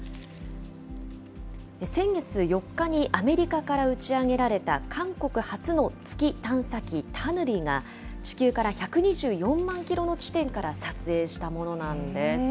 先月４日にアメリカから打ち上げられた韓国初の月探査機タヌリが、地球から１２４万キロの地点から撮影したものなんです。